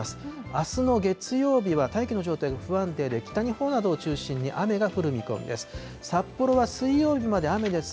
あすの月曜日は大気の状態が不安定で北日本などを中心に雨が降る見込みです。